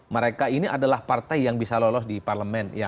mereka ini adalah partai yang bisa lolos di parlemen